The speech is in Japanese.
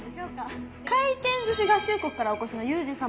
回転ずし合衆国からお越しのユージ様。